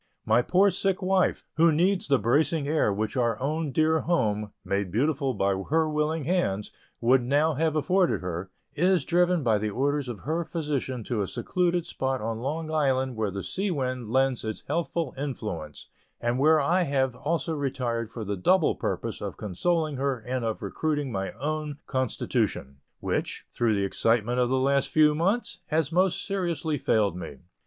My poor sick wife, who needs the bracing air which our own dear home (made beautiful by her willing hands) would now have afforded her, is driven by the orders of her physician to a secluded spot on Long Island where the sea wind lends its healthful influence, and where I have also retired for the double purpose of consoling her and of recruiting my own constitution, which, through the excitements of the last few months, has most seriously failed me.